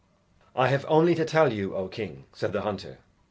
] "I have only to tell you, O king," said the hunter.